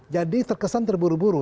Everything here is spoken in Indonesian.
jadi terkesan terburu buru